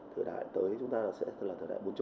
thời đại tới chúng ta sẽ là thời đại bốn